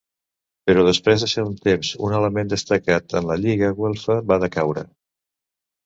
Però després de ser un temps un element destacat en la Lliga Güelfa va decaure.